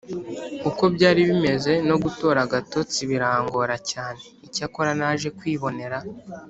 Uko byari bimeze no gutora agatotsi birangora cyane icyakora naje kwibonera